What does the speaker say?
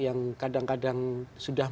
yang kadang kadang sudah